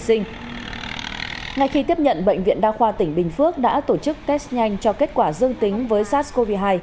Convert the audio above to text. để xin ngay khi tiếp nhận bệnh viện đao khoa tỉnh bình phước đã tổ chức test nhanh cho kết quả dương tính với sars cov hai